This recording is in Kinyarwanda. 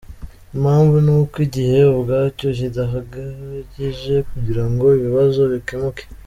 Impamvu ni uko igihe ubwacyo kidahagije kugira ngo ibibazo bikemuke.